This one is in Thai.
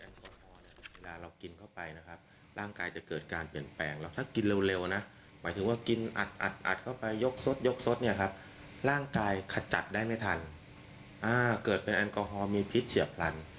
สปสัจผลที่เป็นปฏิบัติด้ายอันนี้ขอบคุณสำคัญ